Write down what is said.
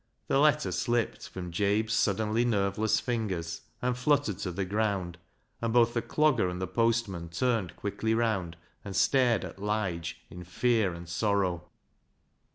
The letter slipped from Jabe's suddenly nerveless fingers and fluttered to the ground, and both the Clogger and the postman turned quickly round and stared at Lige in fear and sorrow.